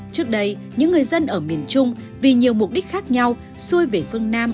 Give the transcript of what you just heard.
trước đây những người dân ở miền trung vì nhiều mục đích khác nhau xuôi về phương nam